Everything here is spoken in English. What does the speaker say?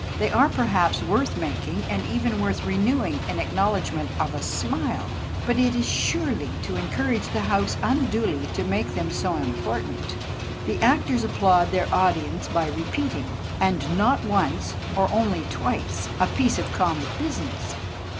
They are perhaps worth making, and even worth renewing in acknowledgement of a smile; but it is surely to encourage the house unduly to make them so important. The actors applaud their audience by repeating and not once or only twice a piece of comic business.